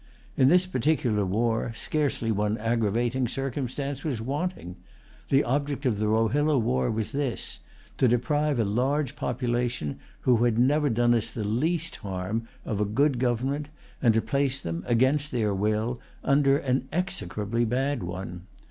In this particular war, scarcely one aggravating circumstance was wanting. The object of the Rohilla war was this, to deprive a large population, who had never done us the least harm, of a good government, and to place them, against their will, under an execrably bad one.